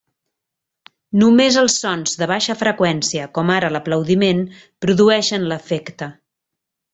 Només els sons de baixa freqüència com ara l'aplaudiment produeixen l'efecte.